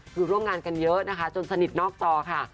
คือร่วมงานกันเยอะนะคะจนสนิทนอกจอค่ะ